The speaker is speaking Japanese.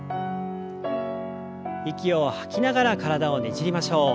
息を吐きながら体をねじりましょう。